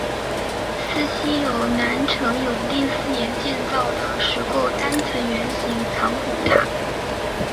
寺西有南陈永定四年建造的石构单层圆形藏骨塔。